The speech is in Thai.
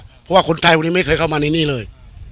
เพราะว่าคนไทยวันนี้ไม่เคยเข้ามาในนี่เลย